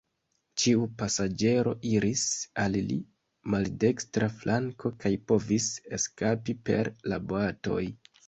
Ĉiu pasaĝero iris al la maldekstra flanko kaj povis eskapi per la boatoj.